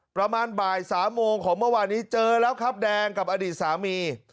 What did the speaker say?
ประมาณบ่าย๓โมงของเมื่อวานนี้เจอแล้วครับแดงกับอดีตสามี